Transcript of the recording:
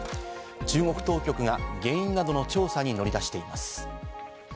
中国当局が原因などの調査に乗り出しています。